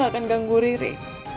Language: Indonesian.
aku gak akan ganggu riri